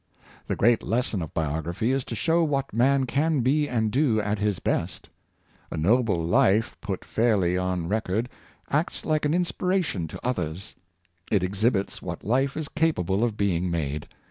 The great lesson of Biography is to show what man can be and do at his best. A noble life put fairly on record acts like an inspiration to others. It exhibits what life is capable of being made.